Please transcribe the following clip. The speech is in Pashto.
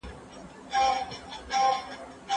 سوال مې يوازې ځي په بره طرف